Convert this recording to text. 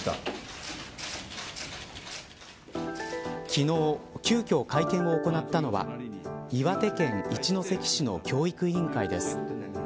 昨日、急きょ会見を行ったのは岩手県一関市の教育委員会です。